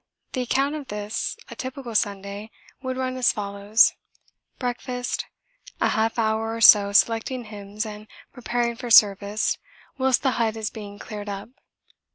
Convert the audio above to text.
The account of this, a typical Sunday, would run as follows: Breakfast. A half hour or so selecting hymns and preparing for Service whilst the hut is being cleared up.